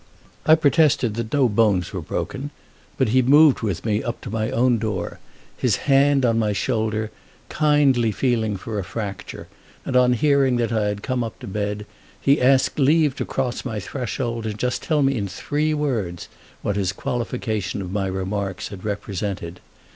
I protested that no bones were broken; but he moved with me to my own door, his hand, on my shoulder, kindly feeling for a fracture; and on hearing that I had come up to bed he asked leave to cross my threshold and just tell me in three words what his qualification of my remarks had represented.